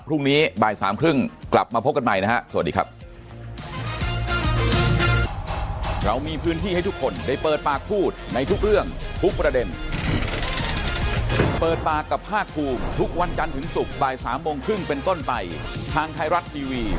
พรุ่งนี้บ่ายสามครึ่งกลับมาพบกันใหม่นะฮะสวัสดีครับ